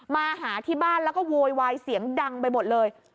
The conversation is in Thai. มาหาที่บ้านแล้วก็โวยวายเสียงดังไปหมดเลย